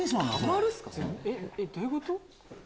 どういうこと？